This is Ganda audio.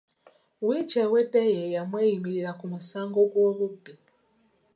Wiiki ewedde ye yamweyimirira ku musango gw’obubbi.